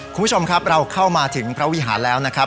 คุณผู้ชมครับเราเข้ามาถึงพระวิหารแล้วนะครับ